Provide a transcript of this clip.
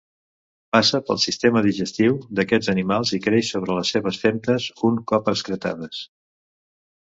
Passa pel sistema digestiu d'aquests animals i creix sobre les seves femtes un cop excretades.